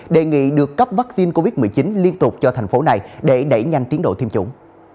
đề nghị được cấp vaccine covid một mươi chín liên tục cho thành phố này để đẩy nhanh tiến độ tiêm chủng